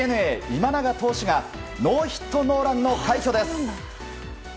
ＤｅＮＡ、今永投手がノーヒットノーランの快挙です！